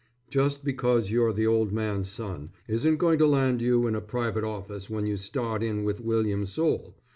Just because you're the old man's son, isn't going to land you in a private office when you start in with William Soule.